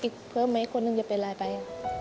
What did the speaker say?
เพิ่มไหมคนหนึ่งจะเป็นอะไรไป